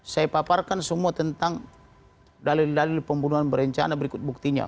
saya paparkan semua tentang dalil dalil pembunuhan berencana berikut buktinya